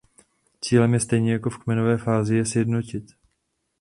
Cílem je stejně jako v kmenové fázi je sjednotit.